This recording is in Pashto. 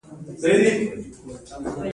حق ساتنه وکړي.